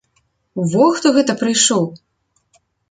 Во хто гэта прыйшоў!